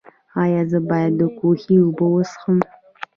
ایا زه باید د کوهي اوبه وڅښم؟